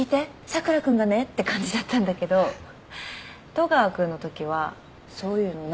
佐倉君がね！」って感じだったんだけど戸川君のときはそういうのないの。